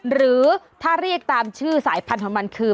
หรือถ้าเรียกตามชื่อสายพันธุ์ของมันคือ